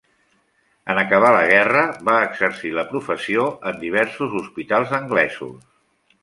En acabar la guerra va exercir la professió en diversos hospitals anglesos.